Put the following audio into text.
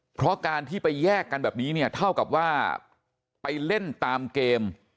เพราะการที่ไปแยกกันแบบนี้เนี่ยเท่ากับว่าไปเล่นตามเกม